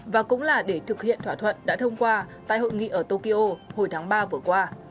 và cũng là để thực hiện thỏa thuận đã thông qua tại hội nghị ở tokyo hồi tháng ba vừa qua